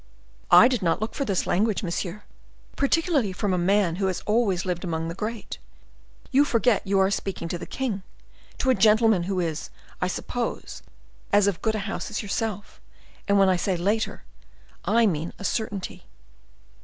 "I did not look for this language, monsieur, particularly from a man who has always lived among the great. You forget you are speaking to the king, to a gentleman who is, I suppose, as of good a house as yourself; and when I say later, I mean a certainty."